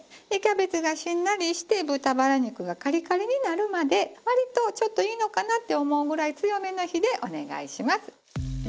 でキャベツがしんなりして豚バラ肉がカリカリになるまで割とちょっといいのかなって思うぐらい強めの火でお願いします。